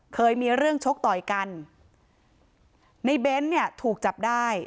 เคยมีเรื่องชกต่อยกันในเบ้นเนี่ยถูกจับได้